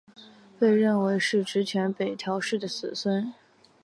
被认为是执权北条氏的子孙。